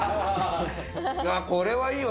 これはいいわ！